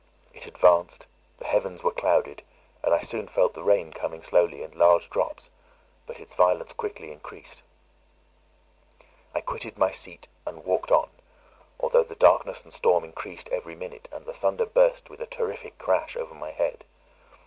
It advanced; the heavens were clouded, and I soon felt the rain coming slowly in large drops, but its violence quickly increased. I quitted my seat, and walked on, although the darkness and storm increased every minute, and the thunder burst with a terrific crash over my head.